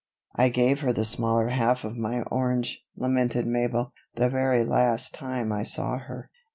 "I gave her the smaller half of my orange," lamented Mabel, "the very last time I saw her.